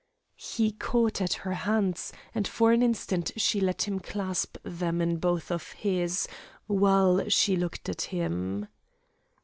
He caught at her hands, and for an instant she let him clasp them in both of his, while she looked at him.